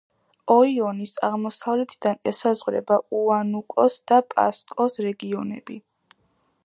ოიონის აღმოსავლეთიდან ესაზღვრება უანუკოს და პასკოს რეგიონები.